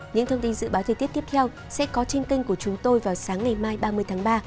những thông tin dự báo thời tiết tiếp theo sẽ có trên kênh của chúng tôi vào sáng ngày mai ba mươi tháng ba